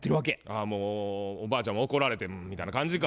あもうおばあちゃんは怒られて「うん」みたいな感じか。